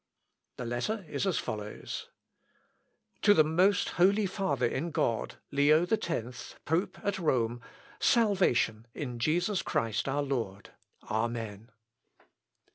The letter is as follows: "To the Most Holy Father in God, Leo X, Pope at Rome, Salvation in Christ Jesus our Lord. Amen.